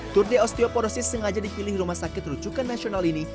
tour de osteoporosis sengaja dipilih rumah sakit rucukan nasional ini